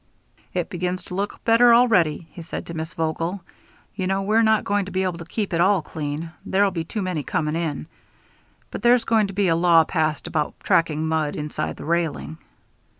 "It begins to look better already," he said to Miss Vogel. "You know we're not going to be able to keep it all clean; there'll be too many coming in. But there's going to be a law passed about tracking mud inside the railing."